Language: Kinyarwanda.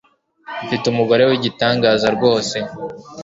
Mfite Umugore Wigitangaza rwose